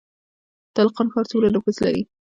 تالقان ښار څومره نفوس لري؟